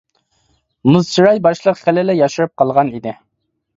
مۇز چىراي باشلىق خېلىلا ياشىرىپ قالغان ئىدى.